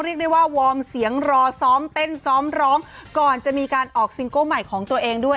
เรียกได้ว่าวอร์มเสียงรอซ้อมเต้นซ้อมร้องก่อนจะมีการออกซิงเกิ้ลใหม่ของตัวเองด้วย